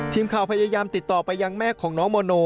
ทีมข่าวพยายามติดต่อไปยังแม่ของน้องโมโน